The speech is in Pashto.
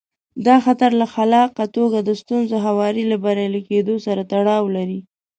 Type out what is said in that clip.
دا خطر له خلاقه توګه د ستونزو هواري له بریالي کېدو سره تړاو لري.